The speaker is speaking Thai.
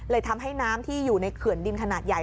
ทำให้น้ำที่อยู่ในเขื่อนดินขนาดใหญ่